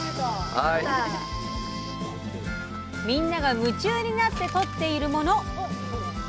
みんなが夢中になってとっているもの。